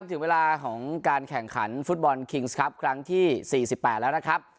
ถึงเวลาของการแข่งขันฟุตบอลคิงส์ครับครั้งที่๔๘แล้วนะครับ